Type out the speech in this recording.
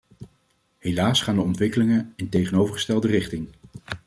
Helaas gaan de ontwikkelingen in tegenovergestelde richting.